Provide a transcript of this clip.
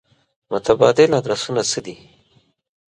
متبادل ادرسونه څه دي.